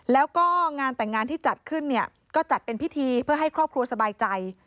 แล้วก็งานแต่งงานที่จัดขึ้นเนี่ยก็จัดเป็นพิธีเพื่อให้ครอบครัวสบายใจ